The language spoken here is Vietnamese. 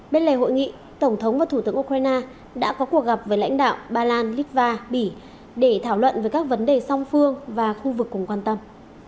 bên lề hội nghị tổng thống và thủ tướng ukraine đã có cuộc gặp với lãnh đạo ba lan litva bỉ để thảo luận về các vấn đề song phương và khu vực cùng quan tâm